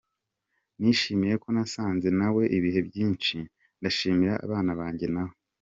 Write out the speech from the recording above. Nishimiye ko nasangiye nawe ibihe byinshi, ndashimira abana bajye nawe.